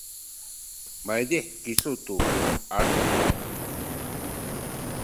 maydih kisu tu aledahay haw?